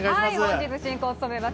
本日進行を務めます